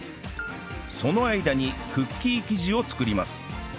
その間にクッキー生地を作ります